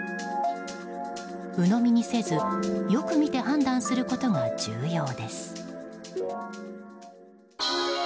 うのみにせず、よく見て判断することが重要です。